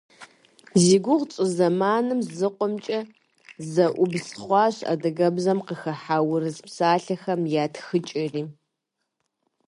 Зи гугъу тщӏы зэманым зыкъомкӏэ зэӏубз хъуащ адыгэбзэм къыхыхьа урыс псалъэхэм я тхыкӏэри.